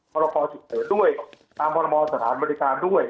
ธรรมพอสุดเกิดด้วยตามธรรมศาสตร์สถานบริการด้วย